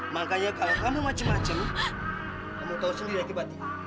makanya kalau kamu macem macem kamu tahu sendiri akibatnya